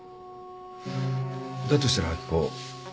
だとしたら明子。